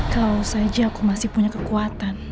kau saja aku masih punya kekuatan